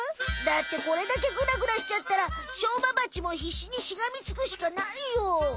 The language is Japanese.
だってこれだけグラグラしちゃったらしょうまバチもひっしにしがみつくしかないよ。